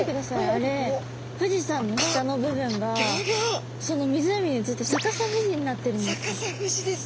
あれ富士山の下の部分が湖に映って逆さ富士になってるんです。